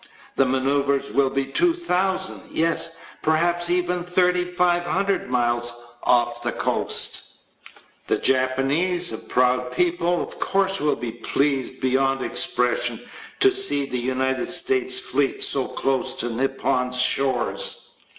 The maneuvers will be two thousand, yes, perhaps even thirty five hundred miles, off the coast. The Japanese, a proud people, of course will be pleased beyond expression to see the united States fleet so close to Nippon's shores.